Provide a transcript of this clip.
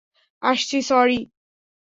আসছি, স্যরি।